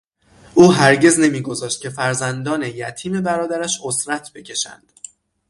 او هزگز نمیگذاشت که فرزندان یتیم برادرش، عسرت بکشند.